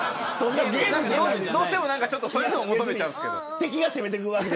どうしてもそういうのを求めちゃうんですけど。